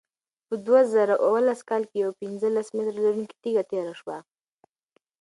په دوه زره اوولس کال کې یوه پنځلس متره لرونکې تیږه تېره شوه.